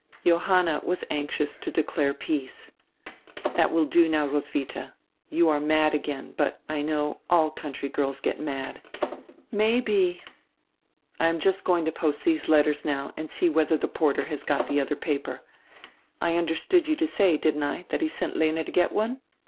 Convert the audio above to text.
Johanna was anxious to declare peace. "That will do now, Roswidia. You are mad again, but, I know, all country girls get mad." "May be." "I am just going to post diese letters now and see whetiier die porter has got die odier paper. I understood you to say, didn't I, diat he sent Lena to get one?